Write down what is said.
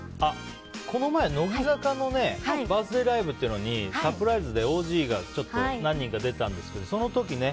この前、乃木坂のバースデーライブにサプライズでＯＧが何人か出たんですけどその時にね。